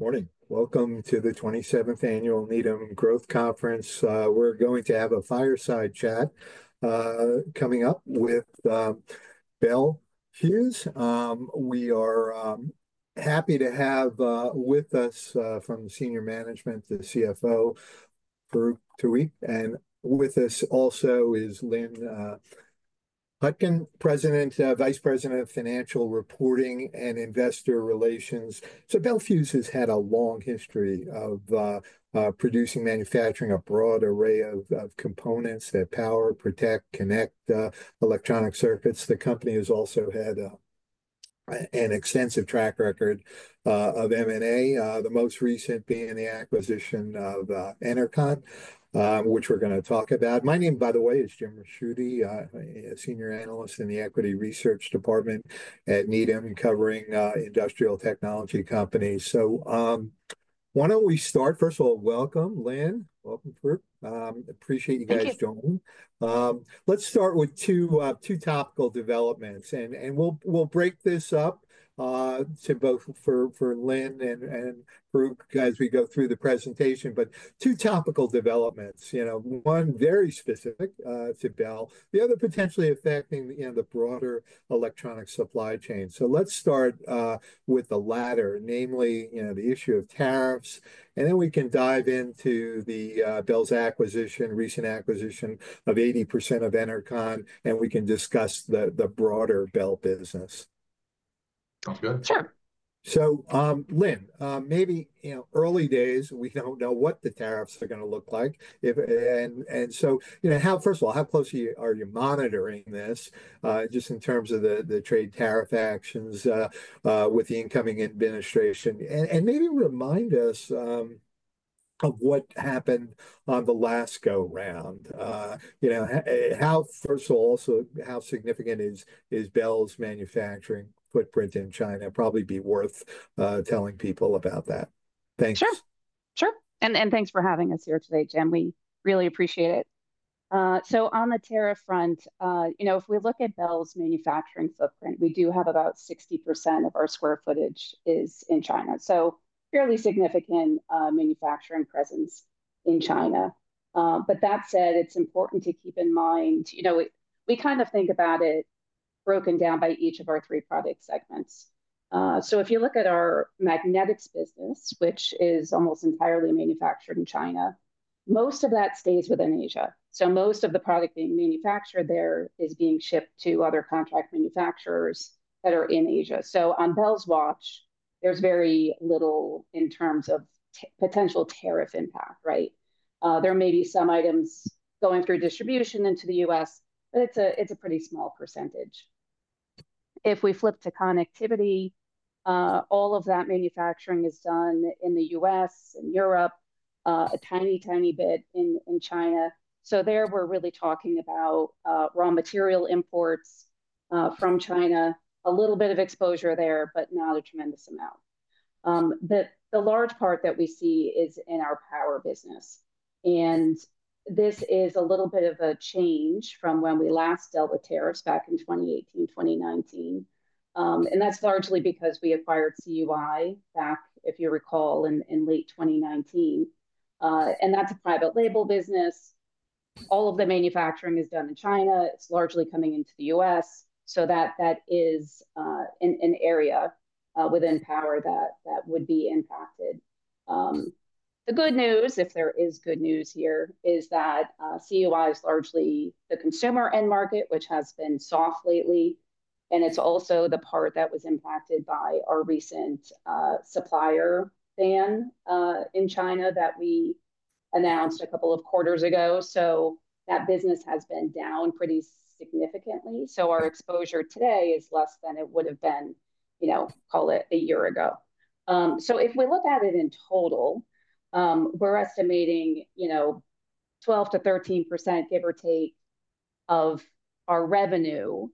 Morning. Welcome to the 27th Annual Needham Growth Conference. We're going to have a fireside chat coming up with Bel Fuse. We are happy to have with us from senior management, the CFO, Farouq Tuweiq, and with us also is Lynn Hutkin, Vice President of Financial Reporting and Investor Relations. So Bel Fuse has had a long history of producing and manufacturing a broad array of components that power, protect, and connect electronic circuits. The company has also had an extensive track record of M&A, the most recent being the acquisition of Enercon, which we're going to talk about. My name, by the way, is Jim Ricchiuti, Senior Analyst in the Equity Research Department at Needham, covering industrial technology companies. So why don't we start? First of all, welcome, Lynn. Welcome, Farouq. Appreciate you guys joining. Let's start with two topical developments, and we'll break this up for both Lynn and Farouq as we go through the presentation. But two topical developments, one very specific to Bel, the other potentially affecting the broader electronic supply chain. So let's start with the latter, namely the issue of tariffs, and then we can dive into Bel's recent acquisition of 80% of Enercon, and we can discuss the broader Bel business. Sounds good. Sure. So Lynn, maybe early days, we don't know what the tariffs are going to look like. And so first of all, how closely are you monitoring this just in terms of the trade tariff actions with the incoming administration? And maybe remind us of what happened on the last go-round. First of all, also how significant is Bel's manufacturing footprint in China? Probably be worth telling people about that. Thanks. Sure. Sure. And thanks for having us here today, Jim. We really appreciate it. So on the tariff front, if we look at Bel's manufacturing footprint, we do have about 60% of our square footage in China. So fairly significant manufacturing presence in China. But that said, it's important to keep in mind we kind of think about it broken down by each of our three product segments. So if you look at our magnetics business, which is almost entirely manufactured in China, most of that stays within Asia. So most of the product being manufactured there is being shipped to other contract manufacturers that are in Asia. So on Bel's watch, there's very little in terms of potential tariff impact. There may be some items going through distribution into the U.S., but it's a pretty small percentage. If we flip to connectivity, all of that manufacturing is done in the U.S. and Europe, a tiny, tiny bit in China. So there we're really talking about raw material imports from China, a little bit of exposure there, but not a tremendous amount. But the large part that we see is in our power business. And this is a little bit of a change from when we last dealt with tariffs back in 2018, 2019. And that's largely because we acquired CUI back, if you recall, in late 2019. And that's a private label business. All of the manufacturing is done in China. It's largely coming into the U.S. So that is an area within power that would be impacted. The good news, if there is good news here, is that CUI is largely the consumer end market, which has been soft lately. It's also the part that was impacted by our recent supplier ban in China that we announced a couple of quarters ago. That business has been down pretty significantly. Our exposure today is less than it would have been, call it a year ago. If we look at it in total, we're estimating 12%-13%, give or take, of our revenue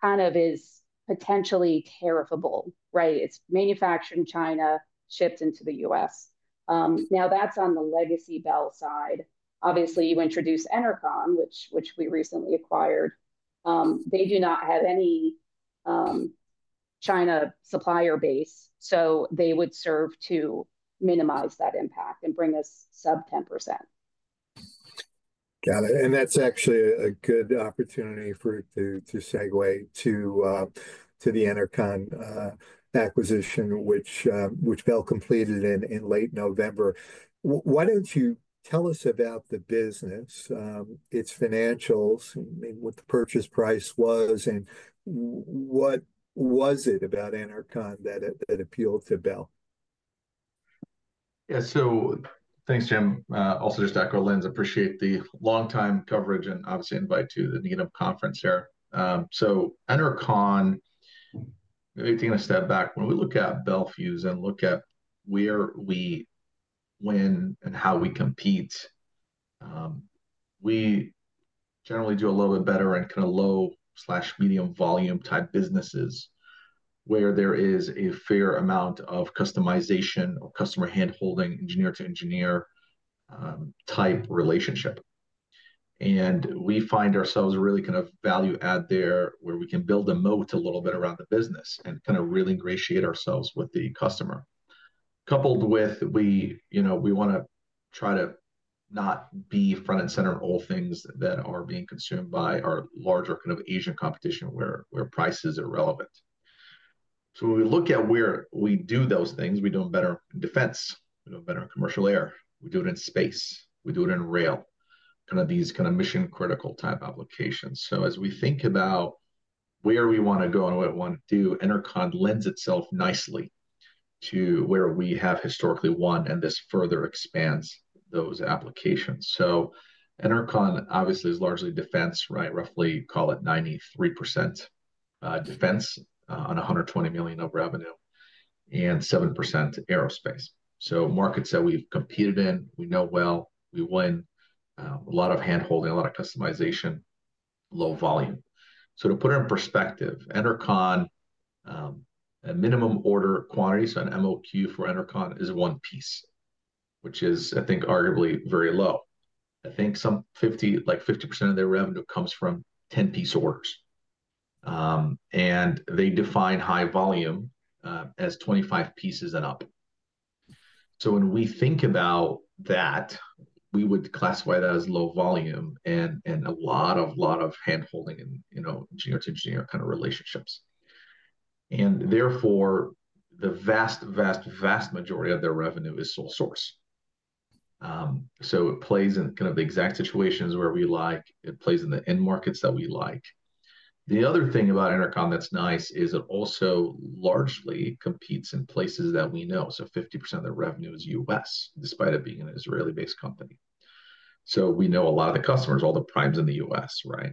kind of is potentially tariffable. It's manufactured in China, shipped into the U.S. Now, that's on the legacy Bel side. Obviously, you introduce Enercon, which we recently acquired. They do not have any China supplier base. They would serve to minimize that impact and bring us sub 10%. Got it. And that's actually a good opportunity for you to segue to the Enercon acquisition, which Bel completed in late November. Why don't you tell us about the business, its financials, what the purchase price was, and what was it about Enercon that appealed to Bel? Yeah. So, thanks, Jim. Also, just to echo, Lynn, I appreciate the long-time coverage and obvious invite to the Needham conference here. So, Enercon, maybe taking a step back, when we look at Bel Fuse and look at where we win and how we compete, we generally do a little bit better in kind of low/medium-volume type businesses where there is a fair amount of customization or customer hand-holding, engineer-to-engineer type relationship. And we find ourselves a really kind of value add there where we can build a moat a little bit around the business and kind of really ingratiate ourselves with the customer. Coupled with, we want to try to not be front and center in all things that are being consumed by our larger kind of Asian competition where prices are relevant. When we look at where we do those things, we do them better in defense. We do them better in commercial air. We do it in space. We do it in rail, kind of these kind of mission-critical type applications. As we think about where we want to go and what we want to do, Enercon lends itself nicely to where we have historically won, and this further expands those applications. Enercon, obviously, is largely defense, right? Roughly call it 93% defense on $120 million of revenue and 7% aerospace. Markets that we've competed in, we know well, we win, a lot of hand-holding, a lot of customization, low volume. To put it in perspective, Enercon, a minimum order quantity, so an MOQ for Enercon is one piece, which is, I think, arguably very low. I think like 50% of their revenue comes from 10-piece orders. And they define high volume as 25 pieces and up. So when we think about that, we would classify that as low volume and a lot of hand-holding and engineer-to-engineer kind of relationships. And therefore, the vast, vast, vast majority of their revenue is sole source. So it plays in kind of the exact situations where we like. It plays in the end markets that we like. The other thing about Enercon that's nice is it also largely competes in places that we know. So 50% of their revenue is U.S., despite it being an Israeli-based company. So we know a lot of the customers, all the primes in the U.S., right?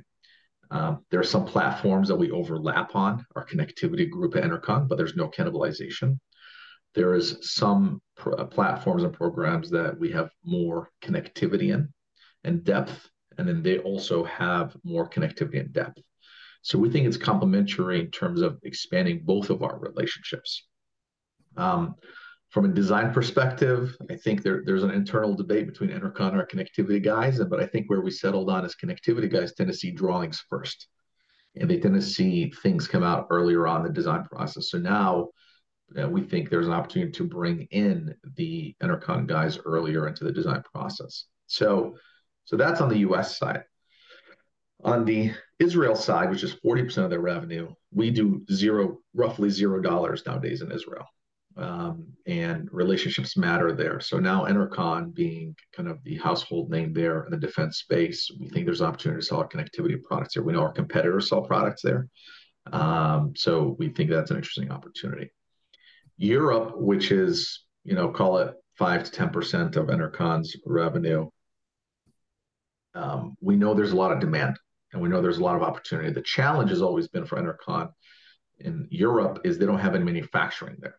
There are some platforms that we overlap on, our connectivity group at Enercon, but there's no cannibalization. There are some platforms and programs that we have more connectivity in and depth, and then they also have more connectivity and depth. So we think it's complementary in terms of expanding both of our relationships. From a design perspective, I think there's an internal debate between Enercon and our connectivity guys, but I think where we settled on as connectivity guys tend to see drawings first, and they tend to see things come out earlier on the design process, so now we think there's an opportunity to bring in the Enercon guys earlier into the design process, so that's on the U.S. side. On the Israel side, which is 40% of their revenue, we do roughly $0 nowadays in Israel, and relationships matter there, so now Enercon being kind of the household name there in the defense space, we think there's an opportunity to sell our connectivity products there. We know our competitors sell products there. So we think that's an interesting opportunity. Europe, which is, call it 5%-10% of Enercon's revenue, we know there's a lot of demand, and we know there's a lot of opportunity. The challenge has always been for Enercon in Europe is they don't have any manufacturing there.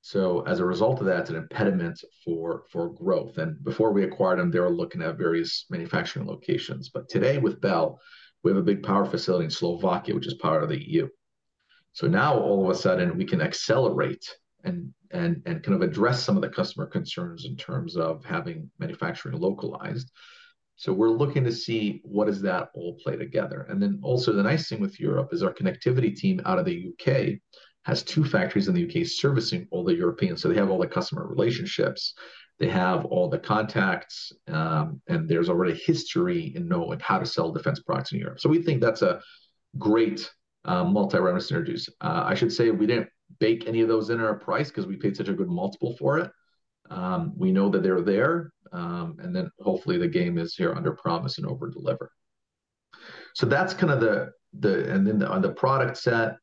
So as a result of that, it's an impediment for growth. Before we acquired them, they were looking at various manufacturing locations. But today with Bel, we have a big power facility in Slovakia, which is part of the EU. So now all of a sudden, we can accelerate and kind of address some of the customer concerns in terms of having manufacturing localized. So we're looking to see what does that all play together. And then also, the nice thing with Europe is our connectivity team out of the U.K. has two factories in the U.K. servicing all the Europeans. So they have all the customer relationships. They have all the contacts, and there's already history in knowing how to sell defense products in Europe. So we think that's a great multi-revenue synergy. I should say we didn't bake any of those in our price because we paid such a good multiple for it. We know that they're there. And then, hopefully, the name of the game is to under promise and over deliver. So that's kind of it. And then on the product set,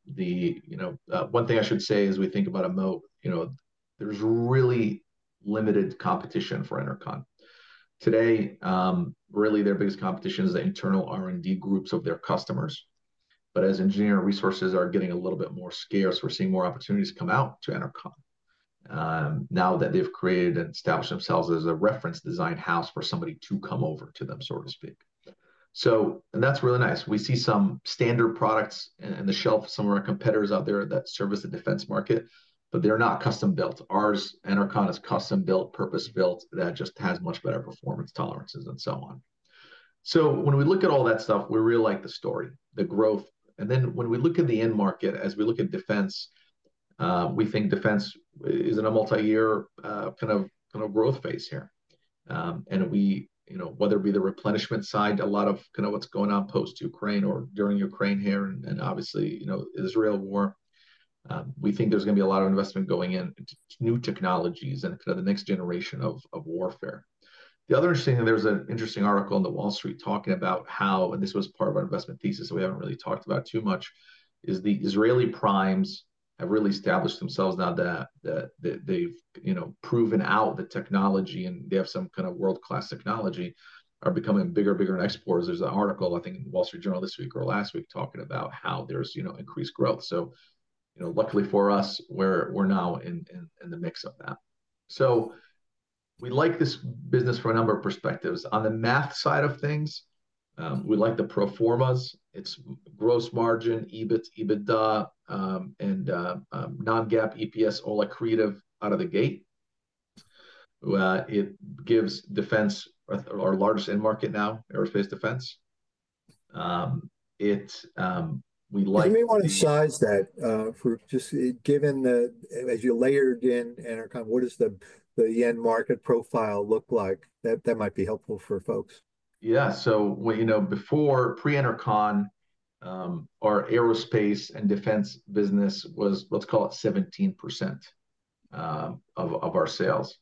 one thing I should say is we think about a moat. There's really limited competition for Enercon. Today, really, their biggest competition is the internal R&D groups of their customers. As engineering resources are getting a little bit more scarce, we're seeing more opportunities come out to Enercon now that they've created and established themselves as a reference design house for somebody to come over to them, so to speak. That's really nice. We see some standard products on the shelf of some of our competitors out there that service the defense market, but they're not custom-built. Ours, Enercon is custom-built, purpose-built. That just has much better performance tolerances and so on. When we look at all that stuff, we really like the story, the growth. When we look at the end market, as we look at defense, we think defense is in a multi-year kind of growth phase here. Whether it be the replenishment side, a lot of kind of what's going on post-Ukraine or during Ukraine here and obviously the Israel war, we think there's going to be a lot of investment going into new technologies and kind of the next generation of warfare. The other interesting thing, there's an interesting article in The Wall Street Journal talking about how, and this was part of our investment thesis, so we haven't really talked about too much, is the Israeli primes have really established themselves now that they've proven out the technology and they have some kind of world-class technology, are becoming bigger and bigger in exports. There's an article, I think, in The Wall Street Journal this week or last week talking about how there's increased growth. So luckily for us, we're now in the mix of that. So we like this business from a number of perspectives. On the math side of things, we like the pro formas. It's gross margin, EBIT, EBITDA, and non-GAAP EPS, all accretive out of the gate. It gives defense our largest end market now, aerospace defense. We like. Give me a sense of that, for just given that as you layered in Enercon, what does the end market profile look like? That might be helpful for folks. Yeah. So before pre-Enercon, our aerospace and defense business was, let's call it 17% of our sales.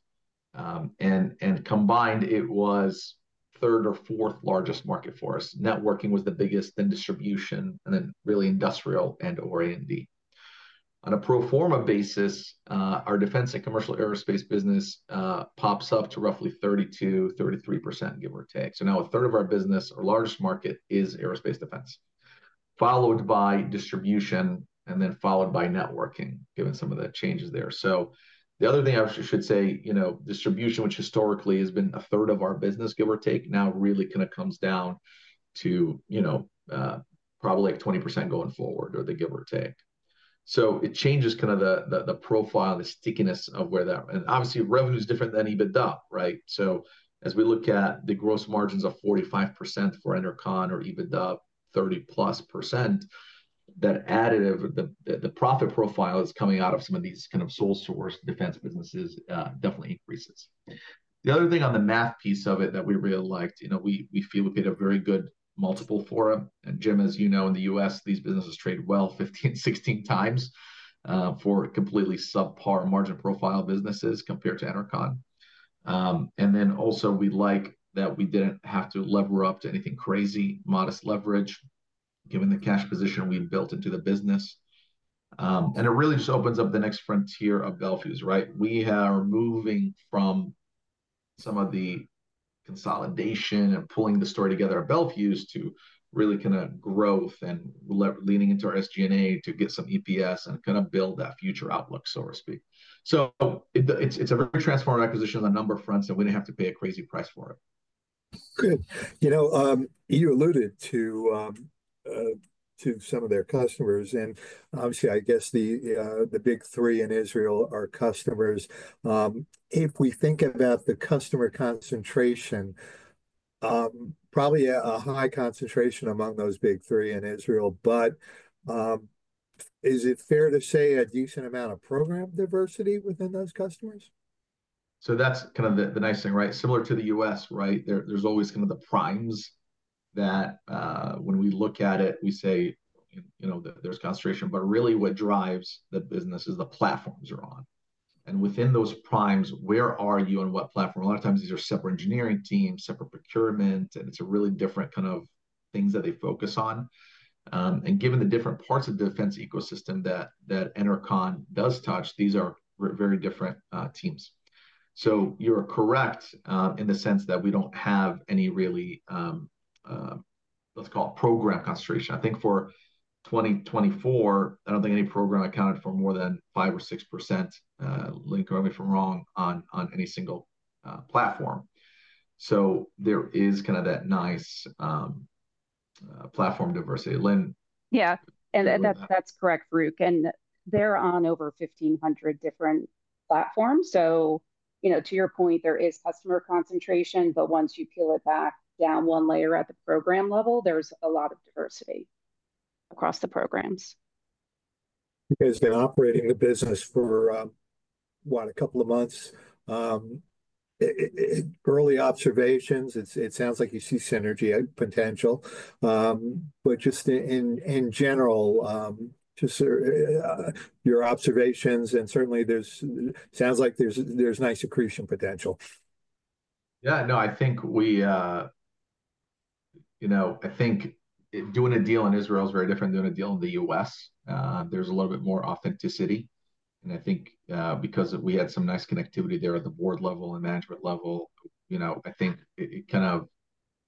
And combined, it was third or fourth largest market for us. Networking was the biggest, then distribution, and then really industrial and/or A&D. On a pro forma basis, our defense and commercial aerospace business pops up to roughly 32%, 33%, give or take. So now a third of our business, our largest market, is aerospace defense, followed by distribution and then followed by networking, given some of the changes there. So the other thing I should say, distribution, which historically has been a third of our business, give or take, now really kind of comes down to probably like 20% going forward or the give or take. So it changes kind of the profile, the stickiness of where that and obviously revenue is different than EBITDA, right? So as we look at the gross margins of 45% for Enercon or EBITDA, 30-plus%, that additive of the profit profile that's coming out of some of these kind of sole-source defense businesses definitely increases. The other thing on the math piece of it that we really liked, we feel we paid a very good multiple for it. And Jim, as you know, in the U.S., these businesses trade well 15x-16x for completely subpar margin profile businesses compared to Enercon. And then also we like that we didn't have to lever up to anything crazy, modest leverage, given the cash position we built into the business. And it really just opens up the next frontier of Bel Fuse, right? We are moving from some of the consolidation and pulling the story together at Bel Fuse to really kind of growth and leaning into our SG&A to get some EPS and kind of build that future outlook, so to speak. So it's a very transformative acquisition on a number of fronts, and we didn't have to pay a crazy price for it. Good. You alluded to some of their customers. And obviously, I guess the big three in Israel are customers. If we think about the customer concentration, probably a high concentration among those big three in Israel, but is it fair to say a decent amount of program diversity within those customers? So that's kind of the nice thing, right? Similar to the U.S., right? There's always kind of the primes that when we look at it, we say there's concentration, but really what drives the business is the platforms are on. And within those primes, where are you on what platform? A lot of times these are separate engineering teams, separate procurement, and it's a really different kind of things that they focus on. And given the different parts of the defense ecosystem that Enercon does touch, these are very different teams. So you're correct in the sense that we don't have any really, let's call it program concentration. I think for 2024, I don't think any program accounted for more than 5% or 6%, Lynn, correct me if I'm wrong, on any single platform. So there is kind of that nice platform diversity. Lynn. Yeah. And that's correct, Farouq. And they're on over 1,500 different platforms. So to your point, there is customer concentration, but once you peel it back down one layer at the program level, there's a lot of diversity across the programs. You guys have been operating the business for, what, a couple of months. Early observations, it sounds like you see synergy potential. But just in general, just your observations, and certainly it sounds like there's nice accretion potential. Yeah. No, I think doing a deal in Israel is very different than doing a deal in the U.S. There's a little bit more authenticity. And I think because we had some nice connectivity there at the board level and management level, I think it kind of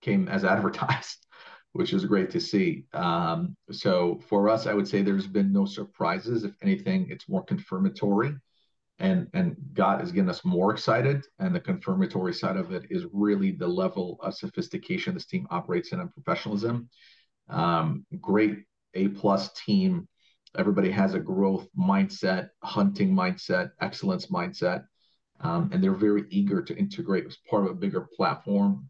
came as advertised, which is great to see. So for us, I would say there's been no surprises. If anything, it's more confirmatory. And it has gotten us more excited. And the confirmatory side of it is really the level of sophistication this team operates in and professionalism. Great A-plus team. Everybody has a growth mindset, hunting mindset, excellence mindset. And they're very eager to integrate as part of a bigger platform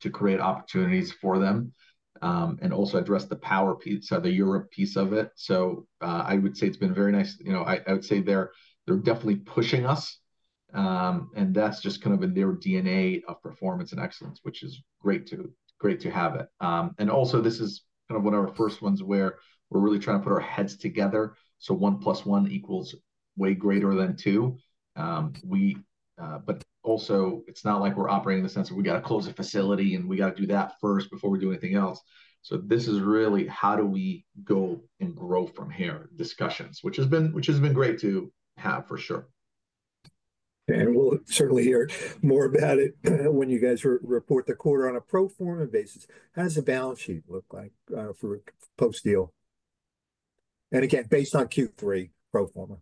to create opportunities for them and also address the power piece, the Europe piece of it. So I would say it's been very nice. I would say they're definitely pushing us. And that's just kind of in their DNA of performance and excellence, which is great to have it. And also, this is kind of one of our first ones where we're really trying to put our heads together. So one plus one equals way greater than two. But also, it's not like we're operating in the sense of we got to close a facility and we got to do that first before we do anything else. So this is really how do we go and grow from here discussions, which has been great to have for sure. We'll certainly hear more about it when you guys report the quarter on a pro forma basis. How does the balance sheet look like for post-deal? And again, based on Q3 pro forma.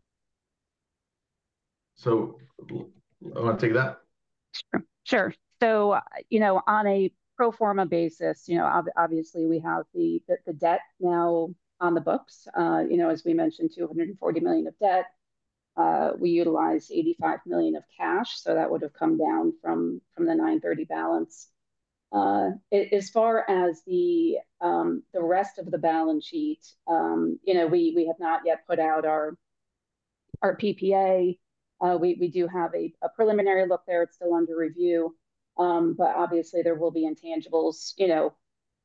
So do you want to take that? Sure. So on a pro forma basis, obviously, we have the debt now on the books. As we mentioned, $240 million of debt. We utilized $85 million of cash. So that would have come down from the $930 million balance. As far as the rest of the balance sheet, we have not yet put out our PPA. We do have a preliminary look there. It's still under review. But obviously, there will be intangibles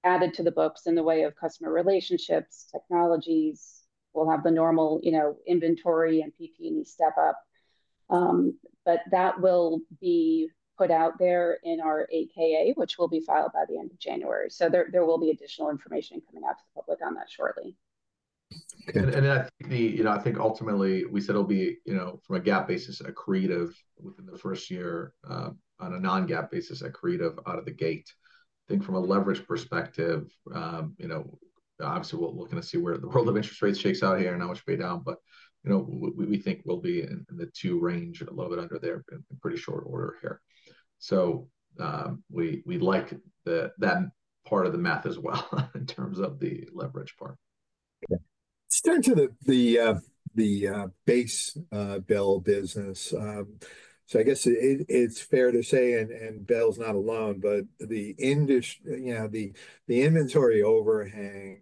added to the books in the way of customer relationships, technologies. We'll have the normal inventory and PP&E step up. But that will be put out there in our 8-K, which will be filed by the end of January. So there will be additional information coming out to the public on that shortly. And I think ultimately, we said it'll be from a GAAP basis, accretive within the first year, on a non-GAAP basis, accretive out of the gate. I think from a leverage perspective, obviously, we're looking to see where the world of interest rates shakes out here and how much we pay down. But we think we'll be in the two range a little bit under there in pretty short order here. So we like that part of the math as well in terms of the leverage part. Let's turn to the base Bel business. So I guess it's fair to say, and Bel's not alone, but the inventory overhang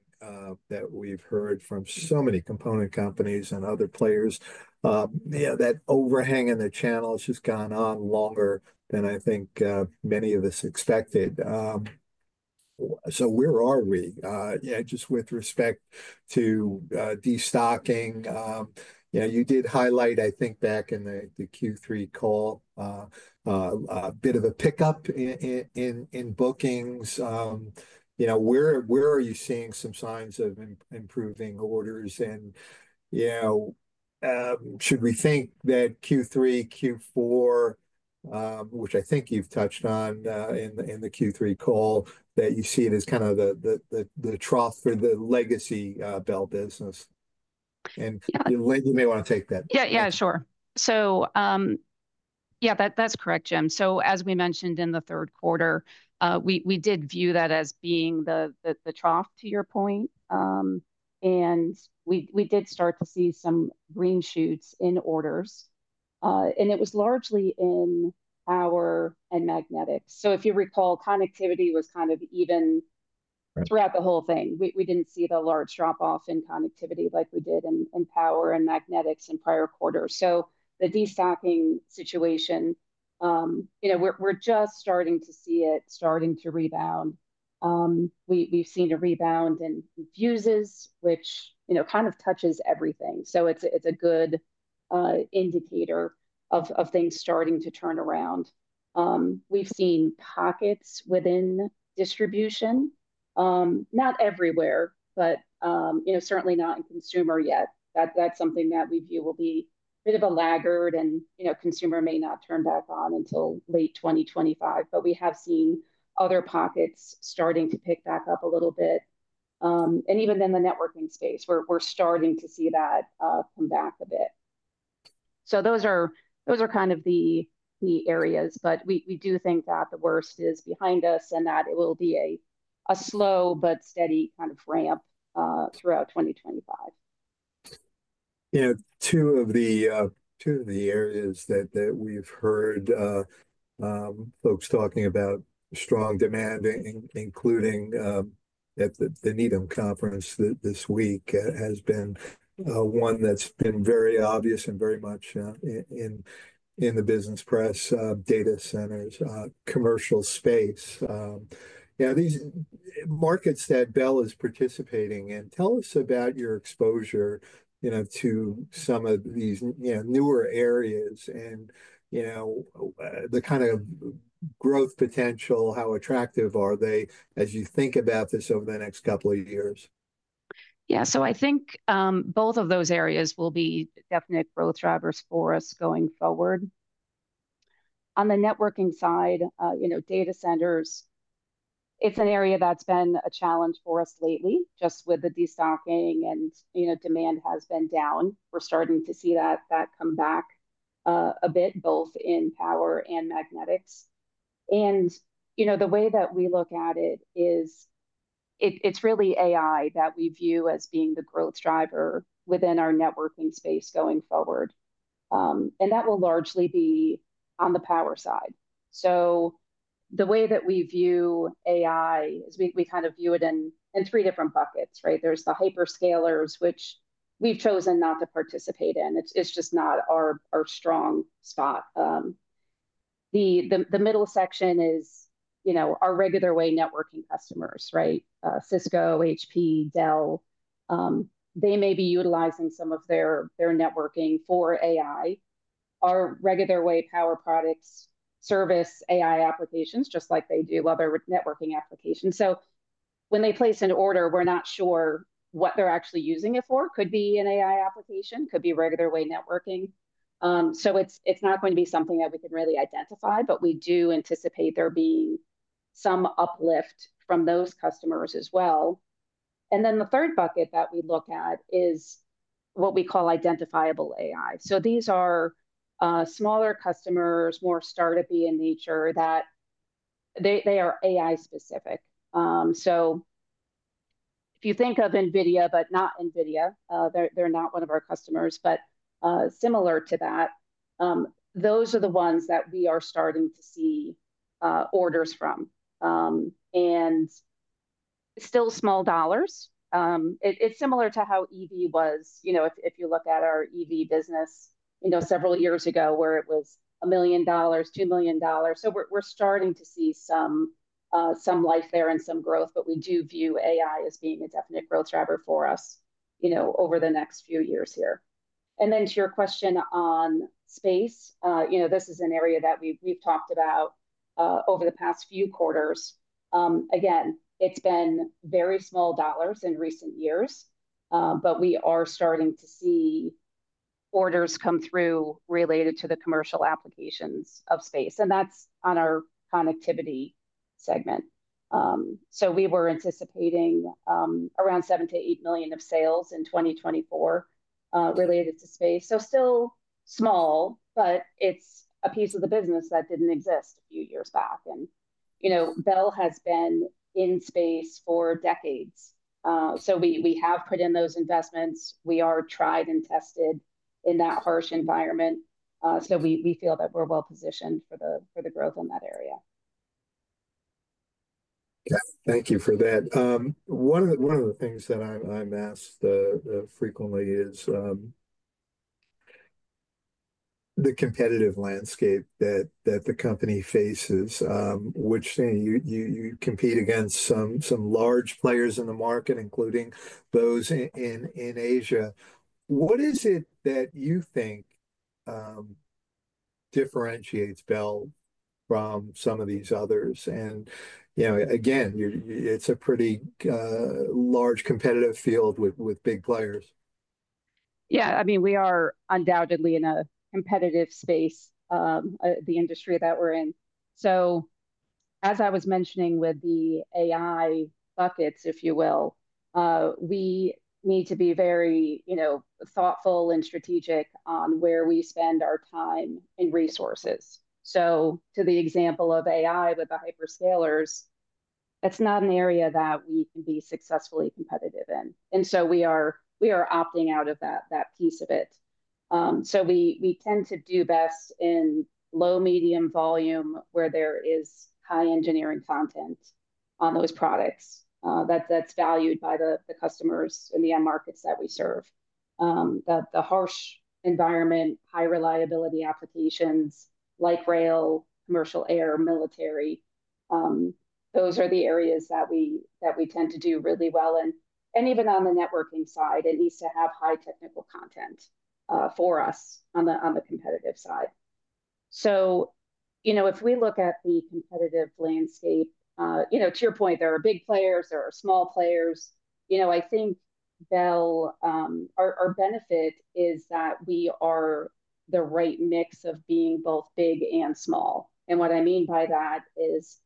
that we've heard from so many component companies and other players, that overhang in the channel has just gone on longer than I think many of us expected. So where are we? Just with respect to destocking, you did highlight, I think, back in the Q3 call, a bit of a pickup in bookings. Where are you seeing some signs of improving orders? And should we think that Q3, Q4, which I think you've touched on in the Q3 call, that you see it as kind of the trough for the legacy Bel business? And Lynn, you may want to take that. Yeah, yeah, sure. So yeah, that's correct, Jim. So as we mentioned in the third quarter, we did view that as being the trough to your point. And we did start to see some green shoots in orders. And it was largely in power and magnetics. So if you recall, connectivity was kind of even throughout the whole thing. We didn't see the large drop-off in connectivity like we did in power and magnetics in prior quarters. So the destocking situation, we're just starting to see it starting to rebound. We've seen a rebound in fuses, which kind of touches everything. So it's a good indicator of things starting to turn around. We've seen pockets within distribution, not everywhere, but certainly not in consumer yet. That's something that we view will be a bit of a laggard, and consumer may not turn back on until late 2025. But we have seen other pockets starting to pick back up a little bit. And even in the networking space, we're starting to see that come back a bit. So those are kind of the areas. But we do think that the worst is behind us and that it will be a slow but steady kind of ramp throughout 2025. Two of the areas that we've heard folks talking about strong demand, including at the Needham Conference this week, has been one that's been very obvious and very much in the business press, data centers, commercial space. These markets that Bel is participating in, tell us about your exposure to some of these newer areas and the kind of growth potential, how attractive are they as you think about this over the next couple of years? Yeah. So I think both of those areas will be definite growth drivers for us going forward. On the networking side, data centers, it's an area that's been a challenge for us lately just with the destocking, and demand has been down. We're starting to see that come back a bit, both in power and magnetics. And the way that we look at it is it's really AI that we view as being the growth driver within our networking space going forward. And that will largely be on the power side. So the way that we view AI, we kind of view it in three different buckets, right? There's the hyperscalers, which we've chosen not to participate in. It's just not our strong spot. The middle section is our regular OEM networking customers, right? Cisco, HP, Dell, they may be utilizing some of their networking for AI. Our regular way power products serve AI applications just like they do other networking applications. So when they place an order, we're not sure what they're actually using it for. Could be an AI application, could be regular way networking. So it's not going to be something that we can really identify, but we do anticipate there being some uplift from those customers as well. Then the third bucket that we look at is what we call identifiable AI. So these are smaller customers, more start-up-y in nature that they are AI-specific. So if you think of NVIDIA, but not NVIDIA, they're not one of our customers, but similar to that, those are the ones that we are starting to see orders from. And still small dollars. It's similar to how EV was. If you look at our EV business several years ago where it was $1 million, $2 million. So we're starting to see some life there and some growth, but we do view AI as being a definite growth driver for us over the next few years here. And then to your question on space, this is an area that we've talked about over the past few quarters. Again, it's been very small dollars in recent years, but we are starting to see orders come through related to the commercial applications of space. And that's on our connectivity segment. So we were anticipating around $7 million-$8 million of sales in 2024 related to space. So still small, but it's a piece of the business that didn't exist a few years back. And Bel has been in space for decades. So we have put in those investments. We are tried and tested in that harsh environment. So we feel that we're well positioned for the growth in that area. Thank you for that. One of the things that I'm asked frequently is the competitive landscape that the company faces, which you compete against some large players in the market, including those in Asia. What is it that you think differentiates Bel from some of these others? And again, it's a pretty large competitive field with big players. Yeah. I mean, we are undoubtedly in a competitive space, the industry that we're in. So as I was mentioning with the AI buckets, if you will, we need to be very thoughtful and strategic on where we spend our time and resources. So to the example of AI with the hyperscalers, that's not an area that we can be successfully competitive in. And so we are opting out of that piece of it. So we tend to do best in low-medium volume where there is high engineering content on those products that's valued by the customers and the end markets that we serve. The harsh environment, high reliability applications like rail, commercial air, military, those are the areas that we tend to do really well in. And even on the networking side, it needs to have high technical content for us on the competitive side. If we look at the competitive landscape, to your point, there are big players. There are small players. I think our benefit is that we are the right mix of being both big and small. And what I mean by that is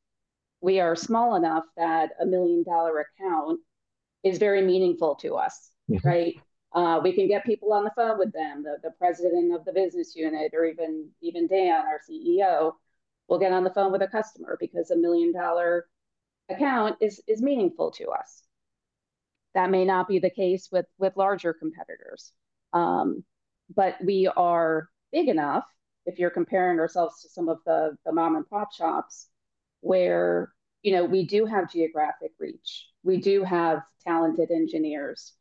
we are small enough that a $1 million account is very meaningful to us, right? We can get people on the phone with them. The president of the business unit or even Dan, our CEO, will get on the phone with a customer because a $1 million account is meaningful to us. That may not be the case with larger competitors. But we are big enough, if you're comparing ourselves to some of the mom-and-pop shops, where we do have geographic reach. We do have talented engineers.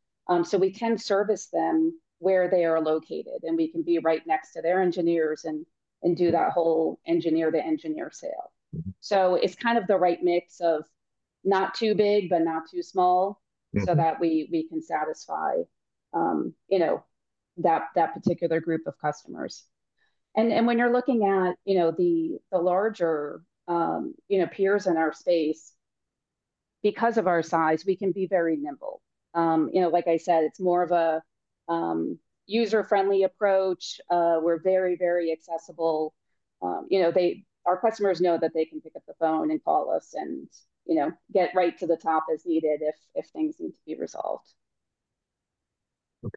So we can service them where they are located, and we can be right next to their engineers and do that whole engineer-to-engineer sale. So it's kind of the right mix of not too big, but not too small so that we can satisfy that particular group of customers. And when you're looking at the larger peers in our space, because of our size, we can be very nimble. Like I said, it's more of a user-friendly approach. We're very, very accessible. Our customers know that they can pick up the phone and call us and get right to the top as needed if things need to be resolved.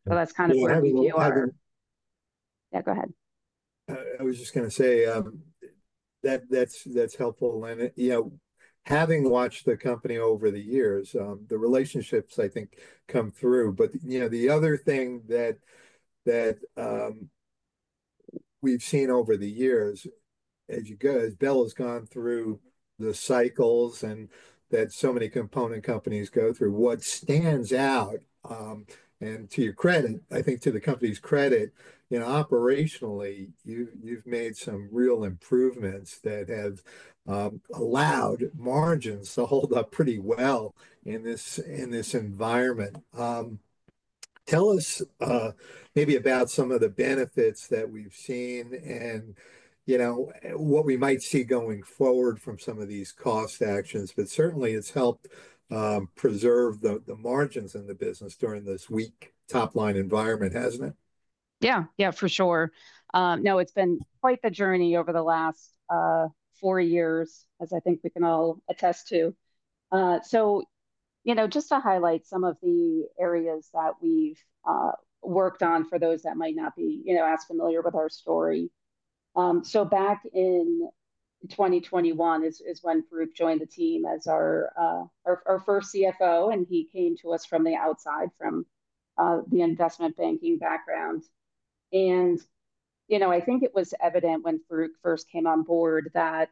So that's kind of what we do. Do you have any other? Yeah, go ahead. I was just going to say that's helpful. Having watched the company over the years, the relationships, I think, come through. But the other thing that we've seen over the years, as you go, as Bel has gone through the cycles and that so many component companies go through, what stands out, and to your credit, I think to the company's credit, operationally, you've made some real improvements that have allowed margins to hold up pretty well in this environment. Tell us maybe about some of the benefits that we've seen and what we might see going forward from some of these cost actions. But certainly, it's helped preserve the margins in the business during this weak top-line environment, hasn't it? Yeah, yeah, for sure. No, it's been quite the journey over the last four years, as I think we can all attest to. So just to highlight some of the areas that we've worked on for those that might not be as familiar with our story. So back in 2021 is when Farouq joined the team as our first CFO, and he came to us from the outside, from the investment banking background. And I think it was evident when Farouq first came on board that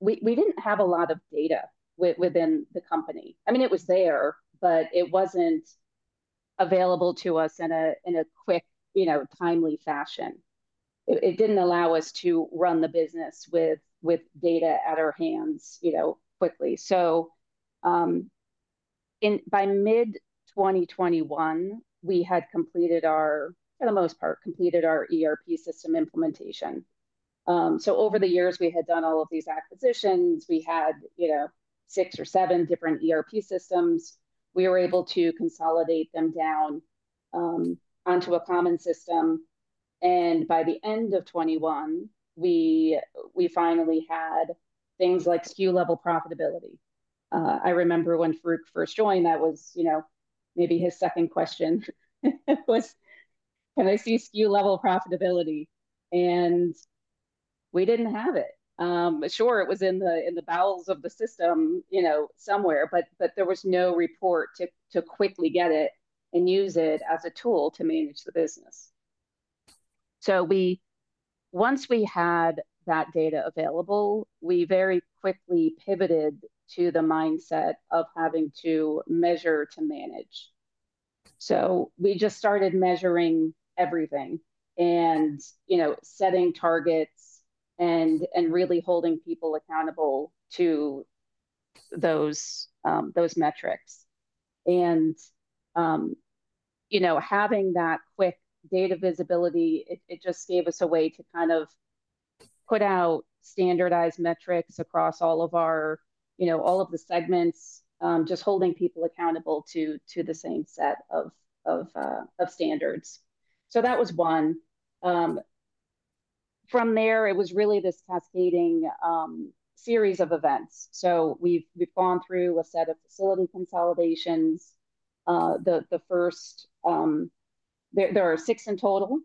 we didn't have a lot of data within the company. I mean, it was there, but it wasn't available to us in a quick, timely fashion. It didn't allow us to run the business with data at our hands quickly. So by mid-2021, we had, for the most part, completed our ERP system implementation. So over the years, we had done all of these acquisitions. We had six or seven different ERP systems. We were able to consolidate them down onto a common system. And by the end of 2021, we finally had things like SKU-level profitability. I remember when Farouq first joined, that was maybe his second question was, "Can I see SKU-level profitability?" And we didn't have it. Sure, it was in the bowels of the system somewhere, but there was no report to quickly get it and use it as a tool to manage the business. So once we had that data available, we very quickly pivoted to the mindset of having to measure to manage. So we just started measuring everything and setting targets and really holding people accountable to those metrics. Having that quick data visibility, it just gave us a way to kind of put out standardized metrics across all of the segments, just holding people accountable to the same set of standards. That was one. From there, it was really this cascading series of events. We've gone through a set of facility consolidations. The first, there are six in total.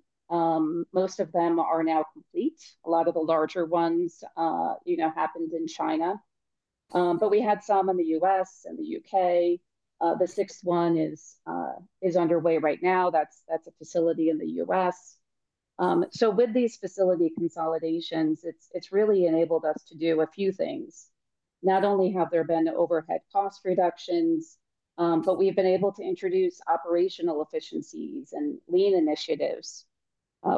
Most of them are now complete. A lot of the larger ones happened in China. But we had some in the U.S. and the U.K. The sixth one is underway right now. That's a facility in the U.S. With these facility consolidations, it's really enabled us to do a few things. Not only have there been overhead cost reductions, but we've been able to introduce operational efficiencies and lean initiatives.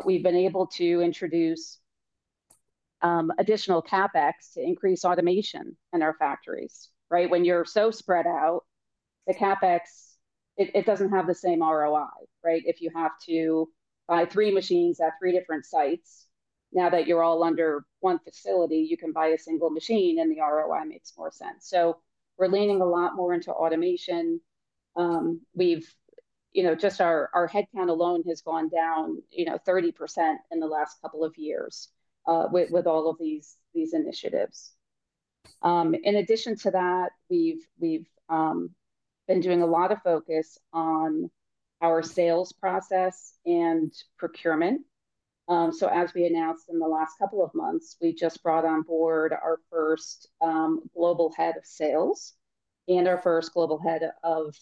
We've been able to introduce additional CapEx to increase automation in our factories, right? When you're so spread out, the CapEx, it doesn't have the same ROI, right? If you have to buy three machines at three different sites, now that you're all under one facility, you can buy a single machine and the ROI makes more sense. So we're leaning a lot more into automation. Just our headcount alone has gone down 30% in the last couple of years with all of these initiatives. In addition to that, we've been doing a lot of focus on our sales process and procurement. So as we announced in the last couple of months, we just brought on board our first global head of sales and our first global head of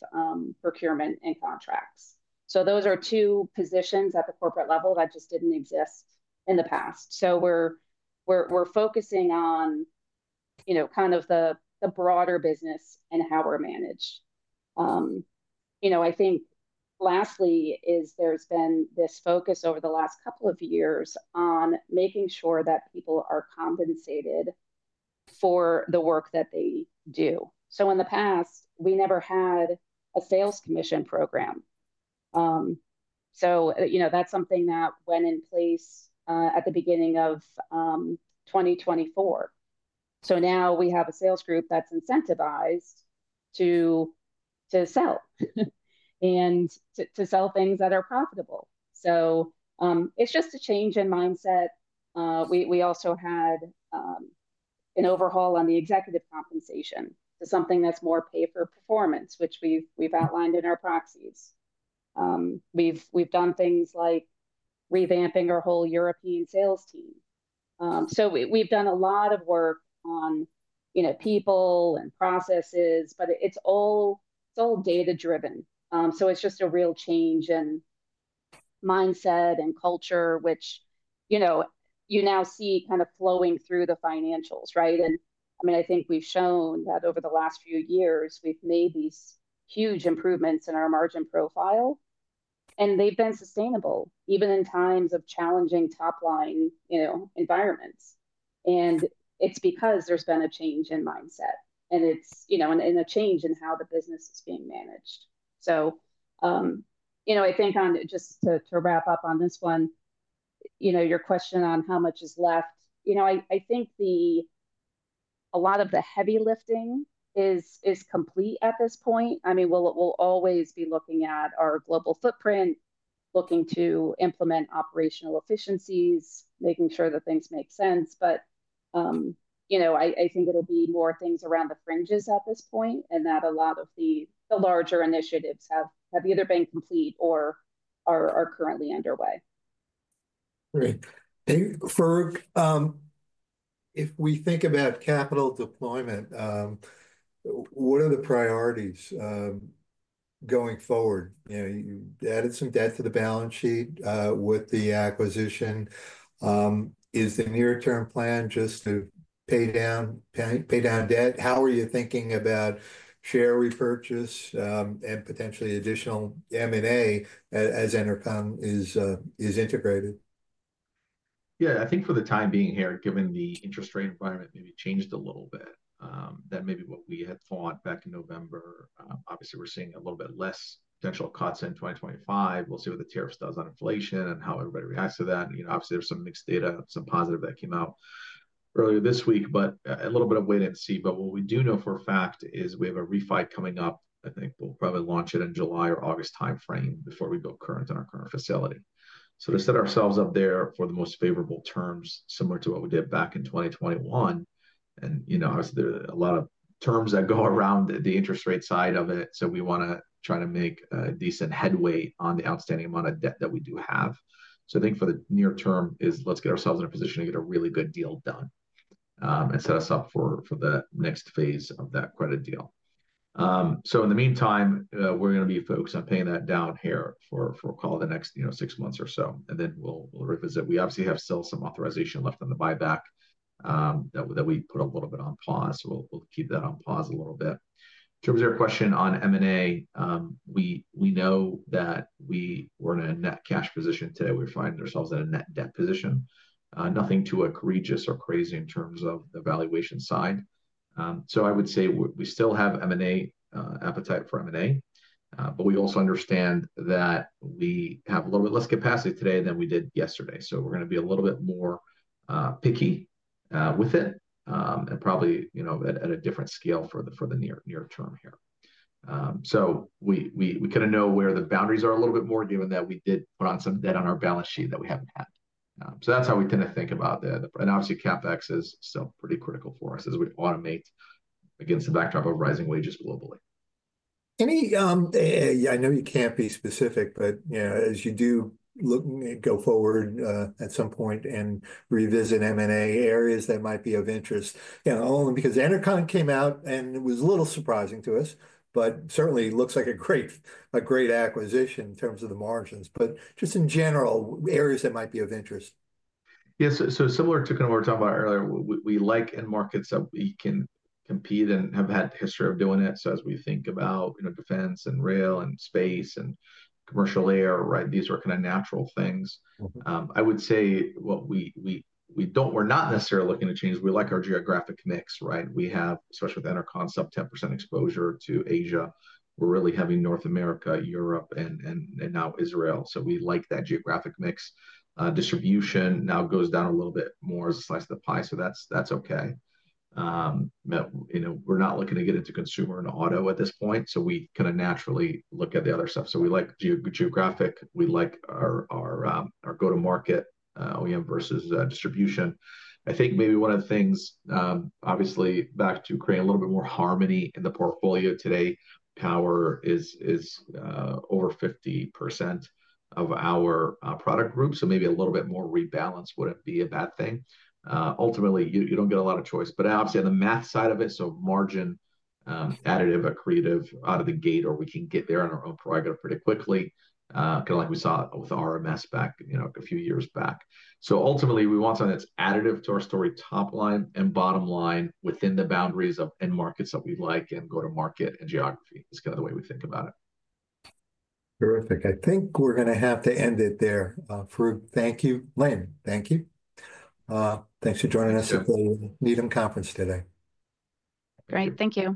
procurement and contracts. So those are two positions at the corporate level that just didn't exist in the past. So we're focusing on kind of the broader business and how we're managed. I think lastly is there's been this focus over the last couple of years on making sure that people are compensated for the work that they do. So in the past, we never had a sales commission program. So that's something that went in place at the beginning of 2024. So now we have a sales group that's incentivized to sell and to sell things that are profitable. So it's just a change in mindset. We also had an overhaul on the executive compensation to something that's more pay-for-performance, which we've outlined in our proxies. We've done things like revamping our whole European sales team. So we've done a lot of work on people and processes, but it's all data-driven. So it's just a real change in mindset and culture, which you now see kind of flowing through the financials, right? And I mean, I think we've shown that over the last few years, we've made these huge improvements in our margin profile. And they've been sustainable even in times of challenging top-line environments. And it's because there's been a change in mindset and a change in how the business is being managed. So I think just to wrap up on this one, your question on how much is left, I think a lot of the heavy lifting is complete at this point. I mean, we'll always be looking at our global footprint, looking to implement operational efficiencies, making sure that things make sense. But I think it'll be more things around the fringes at this point and that a lot of the larger initiatives have either been complete or are currently underway. Great. Farouq, if we think about capital deployment, what are the priorities going forward? You added some debt to the balance sheet with the acquisition. Is the near-term plan just to pay down debt? How are you thinking about share repurchase and potentially additional M&A as Enercon is integrated? Yeah, I think for the time being here, given the interest rate environment maybe changed a little bit, that may be what we had thought back in November. Obviously, we're seeing a little bit less potential cuts in 2025. We'll see what the tariffs does on inflation and how everybody reacts to that. Obviously, there's some mixed data, some positive that came out earlier this week, but a little bit of wait and see. But what we do know for a fact is we have a refi coming up. I think we'll probably launch it in July or August timeframe before we build out our current facility. So to set ourselves up there for the most favorable terms, similar to what we did back in 2021. And obviously, there are a lot of terms that go around the interest rate side of it. So we want to try to make a decent headway on the outstanding amount of debt that we do have. So I think for the near term is let's get ourselves in a position to get a really good deal done and set us up for the next phase of that credit deal. So in the meantime, we're going to be focused on paying that down here for, call it, the next six months or so. And then we'll revisit. We obviously have still some authorization left on the buyback that we put a little bit on pause. We'll keep that on pause a little bit. In terms of your question on M&A, we know that we were in a net cash position today. We're finding ourselves in a net debt position. Nothing too egregious or crazy in terms of the valuation side. So I would say we still have M&A appetite for M&A, but we also understand that we have a little bit less capacity today than we did yesterday. So we're going to be a little bit more picky with it and probably at a different scale for the near term here. So we kind of know where the boundaries are a little bit more given that we did put on some debt on our balance sheet that we haven't had. So that's how we tend to think about that. And obviously, CapEx is still pretty critical for us as we automate against the backdrop of rising wages globally. I know you can't be specific, but as you do look and go forward at some point and revisit M&A areas that might be of interest, because Enercon came out and it was a little surprising to us, but certainly looks like a great acquisition in terms of the margins. But just in general, areas that might be of interest. Yeah. So similar to kind of what we were talking about earlier, we like in markets that we can compete and have had history of doing it. So as we think about defense and rail and space and commercial air, right, these are kind of natural things. I would say what we're not necessarily looking to change. We like our geographic mix, right? We have, especially with Enercon, some 10% exposure to Asia. We're really heavy in North America, Europe, and now Israel. So we like that geographic mix. Distribution now goes down a little bit more as a slice of the pie. So that's okay. We're not looking to get into consumer and auto at this point. So we kind of naturally look at the other stuff. So we like geographic. We like our go-to-market OEM versus distribution. I think maybe one of the things, obviously, back to create a little bit more harmony in the portfolio today, power is over 50% of our product group. So maybe a little bit more rebalance wouldn't be a bad thing. Ultimately, you don't get a lot of choice. But obviously, on the math side of it, so margin, additive, accretive out of the gate, or we can get there on our own prerogative pretty quickly, kind of like we saw with RMS back a few years back. So ultimately, we want something that's additive to our story top-line and bottom-line within the boundaries of end markets that we like and go-to-market and geography. It's kind of the way we think about it. Terrific. I think we're going to have to end it there. Farouq, thank you. Lynn, thank you. Thanks for joining us at the Needham Conference today. Great. Thank you.